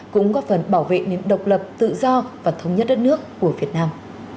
cũng góp phần bảo vệ nền độc lập tự do và thống nhất đất nước của việt nam